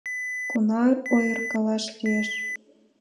Кунар ойыркалаш лиеш?